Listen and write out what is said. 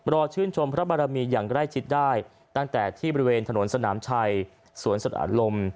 ชื่นชมพระบารมีอย่างใกล้ชิดได้ตั้งแต่ที่บริเวณถนนสนามชัยสวนสะอาดลม